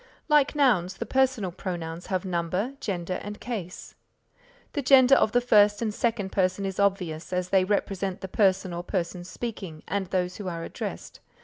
Like nouns, the Personal Pronouns have number, gender and case. The gender of the first and second person is obvious, as they represent the person or persons speaking and those who are addressed.